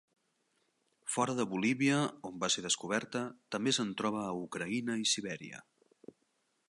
Fora de Bolívia, on va ser descoberta, també se'n troba a Ucraïna i Sibèria.